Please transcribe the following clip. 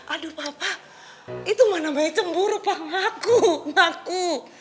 aduh papa itu mah namanya cemburu pak ngaku ngaku